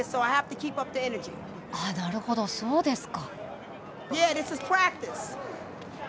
あっなるほどそうですか。